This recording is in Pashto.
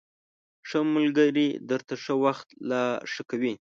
ښه ملگري درته ښه وخت لا ښه کوي